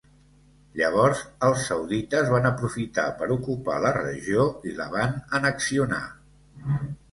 Llavors els saudites van aprofitar per ocupar la regió i la van annexionar.